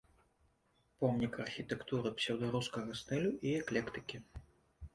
Помнік архітэктуры псеўдарускага стылю і эклектыкі.